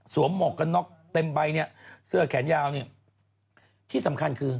หมวกกันน็อกเต็มใบเนี่ยเสื้อแขนยาวเนี่ยที่สำคัญคือ